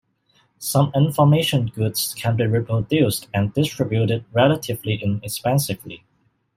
Some information goods can be reproduced and distributed relatively inexpensively.